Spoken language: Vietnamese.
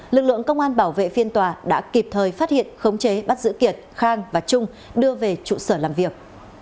lực lượng công an bảo vệ phiên tòa đã kịp thời phát hiện khống chế bắt giữ kiệt khang và trung đưa về trụ sở làm việc